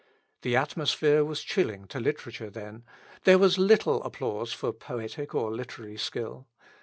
The atmosphere was chilling to literature then, there was little applause for poetic or literary skill.